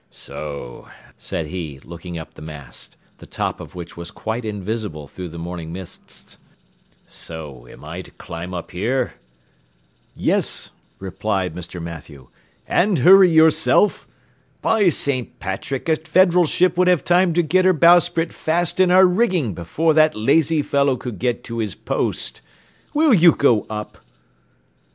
"So," said he, looking up the mast, the top of which was quite invisible through the morning mists; "so, am I to climb up here?" "Yes," replied Mr. Mathew, "and hurry yourself! By St. Patrick, a Federal ship would have time to get her bowsprit fast in our rigging before that lazy fellow could get to his post. Will you go up?"